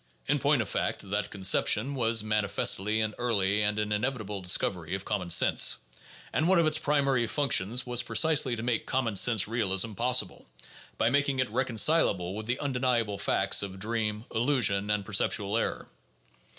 In point of fact, that conception was manifestly an early and an inevitable discovery of common sense; and one of its primary func tions was precisely to make common sense realism possible, by making it reconcilable with the undeniable facts of dream, illusion, and perceptual error.